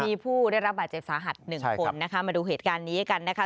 มีผู้ได้รับบาดเจ็บสาหัสหนึ่งคนนะคะมาดูเหตุการณ์นี้กันนะคะ